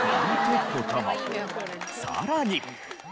さらに。